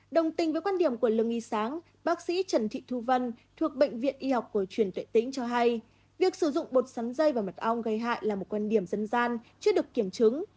đồng tình với quan điểm của lương y sáng bác sĩ trần thị thu vân thuộc bệnh viện y học cổ truyền tuệ tĩnh cho hay việc sử dụng bột sắn dây và mật ong gây hại là một quan điểm dân gian chưa được kiểm chứng